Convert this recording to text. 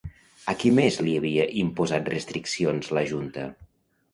A qui més li havia imposat restriccions la Junta?